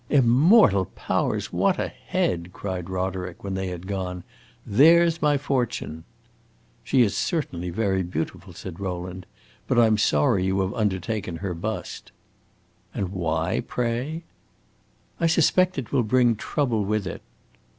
"Immortal powers, what a head!" cried Roderick, when they had gone. "There 's my fortune!" "She is certainly very beautiful," said Rowland. "But I 'm sorry you have undertaken her bust." "And why, pray?" "I suspect it will bring trouble with it."